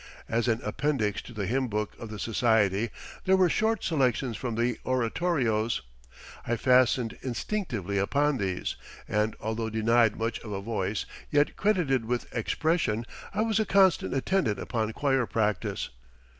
As an appendix to the hymn book of the society there were short selections from the oratorios. I fastened instinctively upon these, and although denied much of a voice, yet credited with "expression," I was a constant attendant upon choir practice.